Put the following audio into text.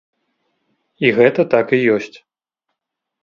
І гэта так і ёсць.